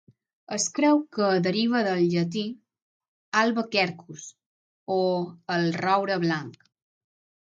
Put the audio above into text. Es creu que deriva del llatí, "alba quercus", o "el roure blanc".